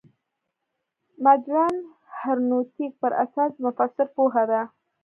مډرن هرمنوتیک پر اساس د مفسر پوهه ده.